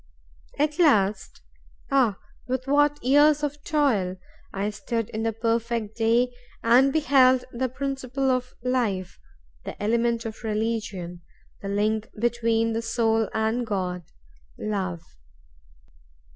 At last—ah, with what years of toil!—I stood in the perfect day, and beheld the principle of life, the element of religion, the link between the soul and God—Love!"